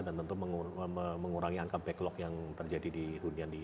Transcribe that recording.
dan tentu mengurangi angka backlog yang terjadi di keundian yang ada di dki